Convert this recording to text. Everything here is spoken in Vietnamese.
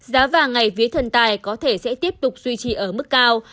giá vàng ngày vía thần tài có thể sẽ tiếp tục duy trì ở mức cao